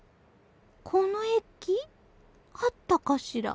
この駅？あったかしら？